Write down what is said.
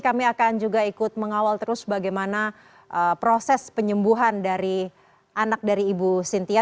kami akan juga ikut mengawal terus bagaimana proses penyembuhan dari anak dari ibu sintia